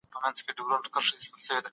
هغه اثر چي باید وڅېړل سي ډېر پخوانی دی.